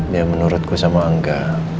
ya menurutku sama angga